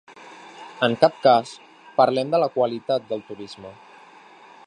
En cap cas parlem de la qualitat del turisme.